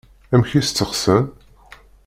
Amek i tt-steqsan?